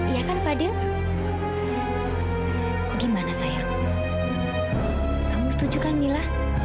iya kan fadil gimana sayang kamu setuju kan mila